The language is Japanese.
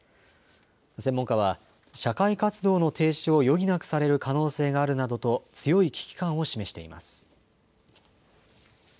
専門家は、社会活動の停止を余儀なくされる可能性があるなどと、強い危機感を示しています。